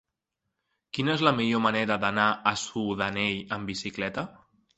Quina és la millor manera d'anar a Sudanell amb bicicleta?